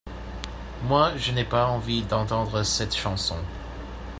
Moi, je n’ai pas envie d’entendre cette chanson.